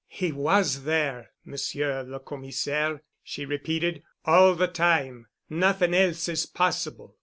"He was there, Monsieur le Commissaire," she repeated, "all the time. Nothing else is possible."